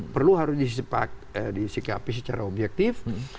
perlu harus disikapi secara objektif